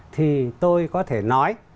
thì tôi có thể nói